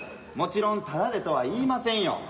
もちろんタダでとは言いませんよ。